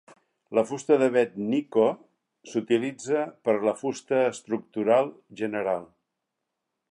La fusta d'avet Nikko s'utilitza per a la fusta estructural general.